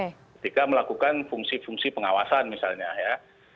ketika melakukan fungsi fungsi pengawasan misalnya ya